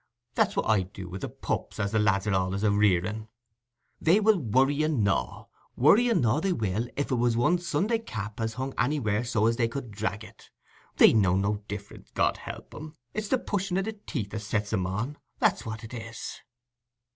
That's what I do wi' the pups as the lads are allays a rearing. They will worry and gnaw—worry and gnaw they will, if it was one's Sunday cap as hung anywhere so as they could drag it. They know no difference, God help 'em: it's the pushing o' the teeth as sets 'em on, that's what it is."